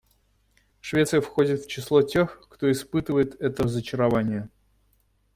Швеция входит в число тех, кто испытывает это разочарование.